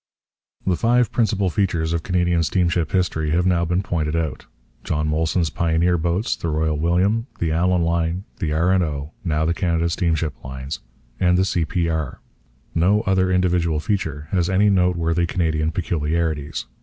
The five principal features of Canadian steamship history have now been pointed out: John Molson's pioneer boats, the Royal William, the Allan line, the 'R. and O.' (now the Canada Steamship Lines), and the 'C.P.R.' No other individual feature has any noteworthy Canadian peculiarities.